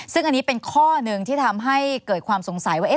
ซึ่งอันนี้เป็นข้อหนึ่งที่ทำให้เกิดความสงสัยว่า